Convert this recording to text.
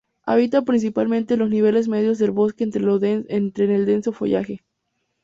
Habita principalmente en los niveles medios del bosque entre el denso follaje.